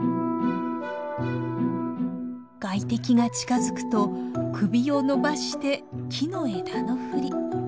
外敵が近づくと首を伸ばして木の枝のふり。